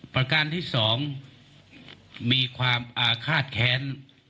ประการที่๒มีความอาฆาตแค้น